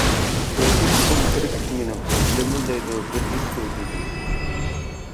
مەۋجۇتلۇقۇم تىرىكلىك مېنىڭ، لۆمۈلدەيدۇ بىر جۈپ شۇ كۆزۈم.